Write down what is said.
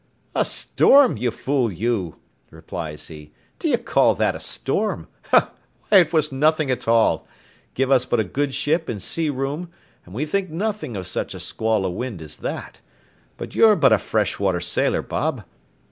"A storm, you fool you," replies he; "do you call that a storm? why, it was nothing at all; give us but a good ship and sea room, and we think nothing of such a squall of wind as that; but you're but a fresh water sailor, Bob.